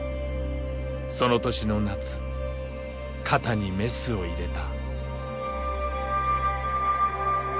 その年の夏肩にメスを入れた。